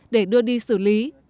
để đưa đi xử lý